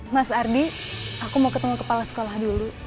mas ardi aku mau ketemu kepala sekolah dulu